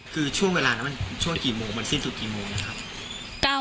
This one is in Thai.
คือช่วงเวลานั้นมันช่วงกี่โมงมันสิ้นสุดกี่โมงนะครับ